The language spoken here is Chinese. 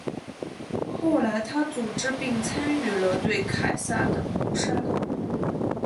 后来他组织并参与了对凯撒的谋杀。